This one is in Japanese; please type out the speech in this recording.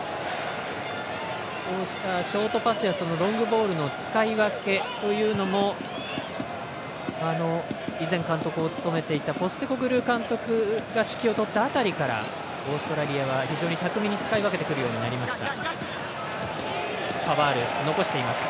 こうしたショートパスやロングボールの使い分けというのも以前の監督が指揮を執った辺りからオーストラリアは非常に巧みに使い分けてくるようになりました。